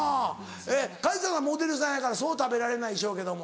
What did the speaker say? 加治さんはモデルさんやからそう食べられないでしょうけども。